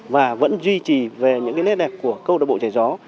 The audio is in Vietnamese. và vẫn duy trì về những cái nét đẹp của câu đội bộ chạy gió